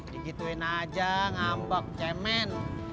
digituin aja ngambek cemen